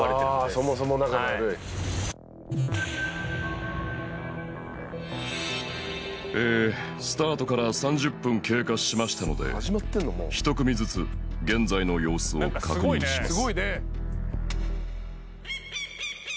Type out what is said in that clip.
そもそも仲の悪いえースタートから３０分経過しましたので１組ずつ現在の様子を確認します